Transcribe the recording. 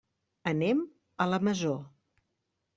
Anem a la Masó.